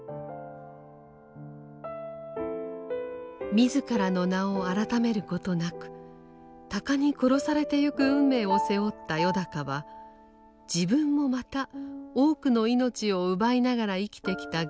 自らの名を改めることなく鷹に殺されてゆく運命を背負ったよだかは自分もまた多くの命を奪いながら生きてきた現実に苦しみます。